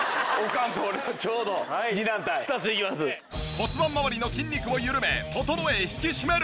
骨盤まわりの筋肉を緩め整え引き締める。